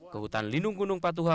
ke hutan lindung gunung patuha